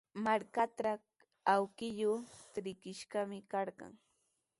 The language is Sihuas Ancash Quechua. Markantraw awkilluu trikishqami karqan.